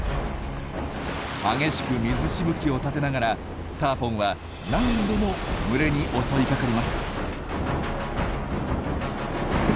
激しく水しぶきを立てながらターポンは何度も群れに襲いかかります。